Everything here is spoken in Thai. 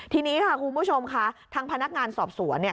ทีนี้ค่ะคุณผู้ชมค่ะทางพนักงานสอบสวนเนี่ย